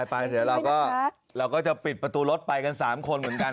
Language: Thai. เดี๋ยวเราก็จะปิดประตูรถไปกัน๓คนเหมือนกัน